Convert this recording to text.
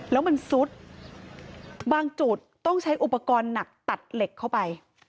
แล้วมันซุดบางจุดต้องใช้อุปกรณ์หนักตัดเหล็กเข้าไป